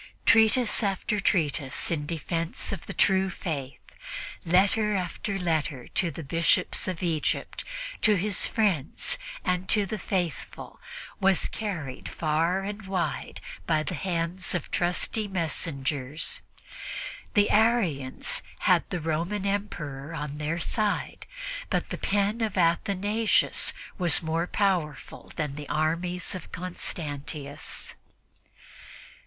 Treatise after treatise in defense of the true Faith; letter after letter to the Bishops of Egypt, to his friends and to the faithful was carried far and wide by the hands of trusty messengers. The Arians had the Roman Emperor on their side, but the pen of Athanasius was more powerful than the armies of Constantius.